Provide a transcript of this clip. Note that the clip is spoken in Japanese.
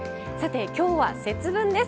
今日は節分です。